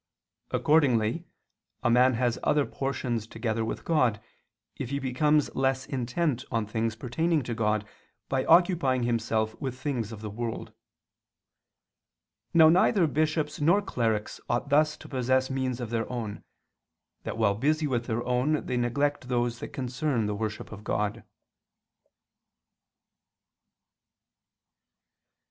Accordingly a man has other portions together with God, if he becomes less intent on things pertaining to God by occupying himself with things of the world. Now neither bishops nor clerics ought thus to possess means of their own, that while busy with their own they neglect those that concern the worship of God.